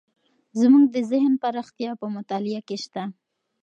زموږ د ذهن پراختیا په مطالعه کې شته.